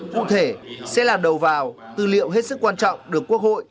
cụ thể sẽ là đầu vào tư liệu hết sức quan trọng được quốc hội